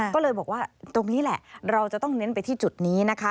ก็เลยบอกว่าตรงนี้แหละเราจะต้องเน้นไปที่จุดนี้นะคะ